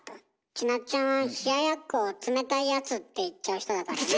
ちなっちゃんは「冷奴」を「つめたいやつ」って言っちゃう人だからね。